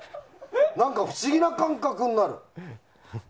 何か不思議な感覚になる。